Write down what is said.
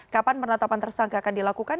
kapan penetapan tersangka akan dilakukan